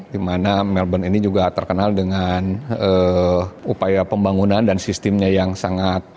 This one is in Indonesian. di mana melbourne ini juga terkenal dengan upaya pembangunan dan sistemnya yang sangat